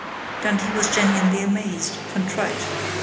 _" Dundee was genuinely amazed, contrite.